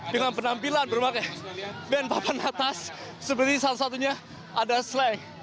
dengan penampilan berbagai band papan atas seperti salah satunya ada slang